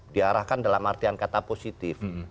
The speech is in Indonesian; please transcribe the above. diarahkan dalam artian kata positif